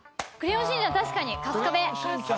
確かに春日部。